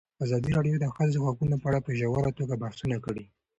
ازادي راډیو د د ښځو حقونه په اړه په ژوره توګه بحثونه کړي.